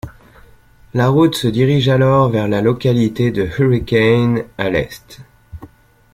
La route se dirige alors vers la localité de Hurricane à l'est.